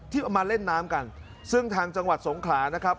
เอามาเล่นน้ำกันซึ่งทางจังหวัดสงขลานะครับ